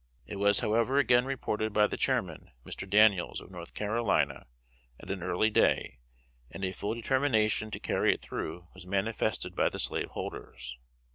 It was however again reported by the Chairman, Mr. Daniels, of North Carolina, at an early day, and a full determination to carry it through was manifested by the slaveholders.